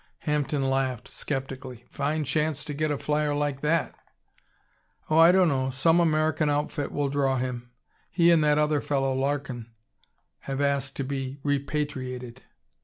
Hampden laughed, skeptically. "Fine chance to get a flyer like that!" "Oh, I dunno. Some American outfit will draw him. He and that other fellow, Larkin, have asked to be repatriated."